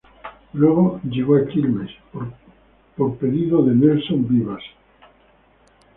Luego llegó a Quilmes por pedido de Nelson Vivas.